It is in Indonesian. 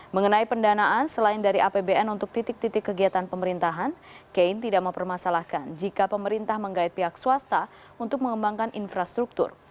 mengenai pendanaan selain dari apbn untuk titik titik kegiatan pemerintahan kein tidak mempermasalahkan jika pemerintah menggait pihak swasta untuk mengembangkan infrastruktur